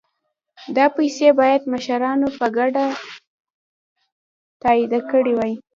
دا پیسې باید مشرانو په ګډه تادیه کړي وای.